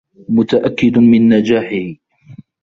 متأكد من نجاحه.